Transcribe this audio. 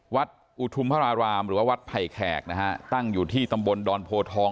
วัดอุทุมพระรารามหรือว่าวัดไผ่แขกนะฮะตั้งอยู่ที่ตำบลดอนโพทอง